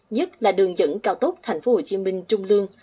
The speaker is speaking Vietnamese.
nhất là đường dẫn cao tốt thành phố hồ chí minh trung lương